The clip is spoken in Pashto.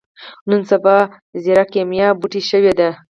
نن سبا ځيره کېميا بوټی شوې ده.